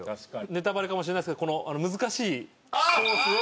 ネタバレかもしれないですけどあの難しいコースを。